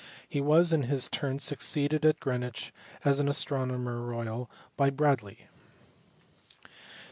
He was in his turn succeeded at Greenwich as astronomer royal by Bradley*.